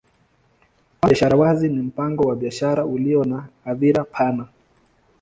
Mpango wa biashara wazi ni mpango wa biashara ulio na hadhira pana.